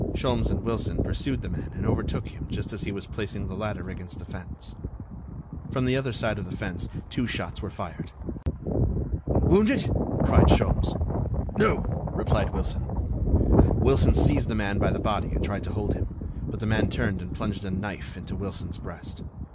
Sholmes and Wilson pursued the man and overtook him just as he was placing the ladder against the fence. From the other side of the fence two shots were fired. "Wounded?" cried Sholmes. "No," replied Wilson. Wilson seized the man by the body and tried to hold him, but the man turned and plunged a knife into Wilson's breast.